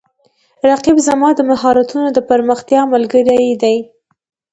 رقیب زما د مهارتونو د پراختیا ملګری دی